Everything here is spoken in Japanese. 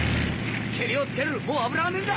ケリをつけるもう油がねえんだ。